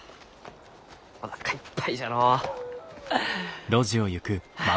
おなかいっぱいじゃのう。はあ。